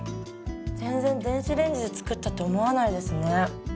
全然電子レンジで作ったって思わないですね。